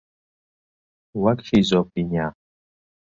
وەک شیزۆفرینیا